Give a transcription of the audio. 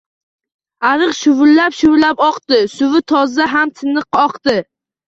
Ariq shovullab-shovullab oqdi. Suvi toza ham tiniq oqdi.